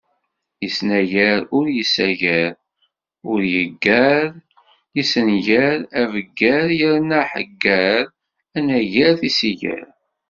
Yesnagar ur yessagar, ur yeggar, yessengar, abeggar yerna aḥegger, anagar tisigar.